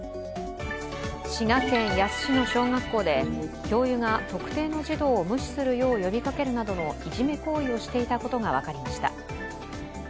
滋賀県野洲市の小学校で教諭が特定の児童を無視するよう呼びかけるなどのいじめ行為をしていたことが分かりました。